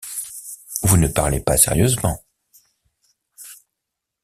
Vous ne parlez pas sérieusement.